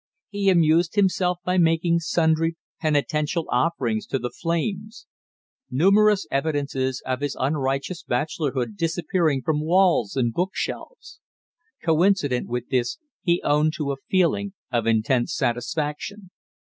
He amused himself by making sundry penitential offerings to the flames; numerous evidences of his unrighteous bachelorhood disappearing from walls and book shelves. Coincident with this he owned to a feeling of intense satisfaction.